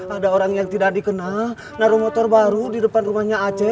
ada orang yang tidak dikenal naruh motor baru di depan rumahnya aceh